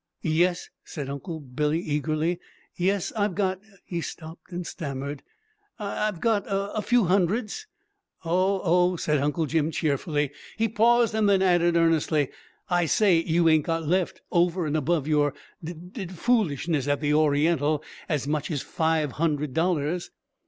"Yes," said Uncle Billy eagerly. "Yes! I've got" He stopped and stammered. "I've got a few hundreds." "Oh, oh!" said Uncle Jim cheerfully. He paused, and then added earnestly, "I say! You ain't got left, over and above your d d foolishness at the Oriental, as much as five hundred dollars?"